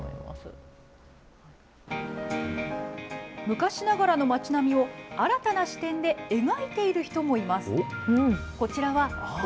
昔ながらの町並みを新たな視点で描いている人もいます。